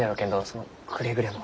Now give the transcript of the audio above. そのくれぐれも。